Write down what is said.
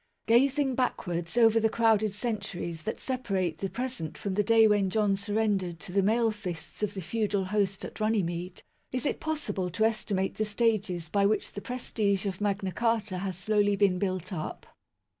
Gazing backwards over the crowded centuries that separate the present from the day when John surren MAGNA CARTA (1215 1915) 9 dered to the mailed fists of the feudal host at Runny mede, is it possible to estimate the stages by which the prestige of Magna Carta has slowly been built up